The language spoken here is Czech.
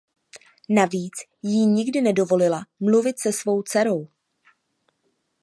Navíc jí nikdy nedovolila mluvit se svou dcerou.